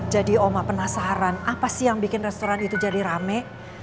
jadi omah penasaran apa sih yang bikin restoran itu jadi rame